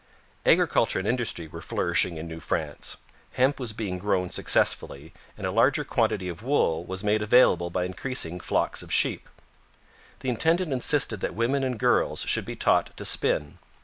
Agriculture and industry were flourishing in New France. Hemp was being grown successfully, and a larger quantity of wool was made available by increasing flocks of sheep. The intendant insisted that women and girls should be taught to spin.